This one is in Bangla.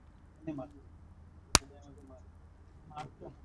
এমন অনেক জামা আছে কেবল মাত্র একবার গায়ে দিয়ে ফেলে রাখি আমি।